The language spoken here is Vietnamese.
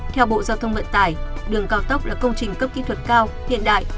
theo bộ giao thông vận tải đường cao tốc là công trình cấp kỹ thuật cao hiện đại